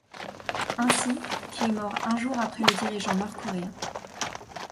Ainsi, qui est mort un jour après le dirigeant nord-coréen.